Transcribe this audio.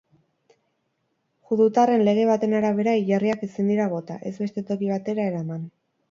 Judutarren lege baten arabera hilerriak ezin dira bota, ez beste toki batera eraman.